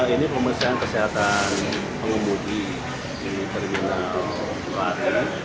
ini pemeriksaan kesehatan pengundi di terminal empat